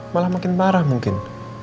malah makin parah mungkin